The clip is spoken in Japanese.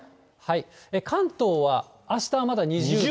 関東は、あしたはまだ２０度。